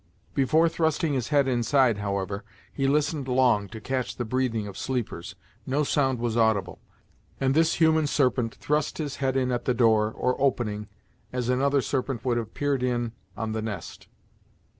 Before trusting his head inside, however, he listened long to catch the breathing of sleepers. No sound was audible, and this human Serpent thrust his head in at the door, or opening, as another serpent would have peered in on the nest.